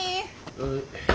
はい。